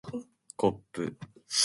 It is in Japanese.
こっぷ